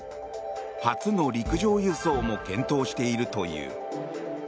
初の陸上輸送も検討しているという。